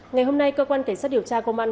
ngày hôm nay cơ quan cảnh sát điều tra công an